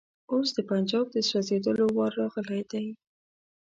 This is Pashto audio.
اوس د پنجاب د سوځېدلو وار راغلی دی.